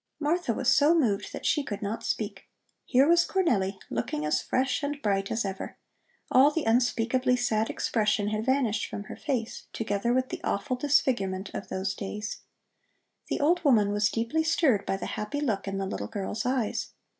Martha was so moved that she could not speak. Here was Cornelli, looking as fresh and bright as ever; all the unspeakably sad expression had vanished from her face, together with the awful disfigurement of those days. The old woman was deeply stirred by the happy look in the little girl's eyes.